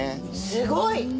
すごい！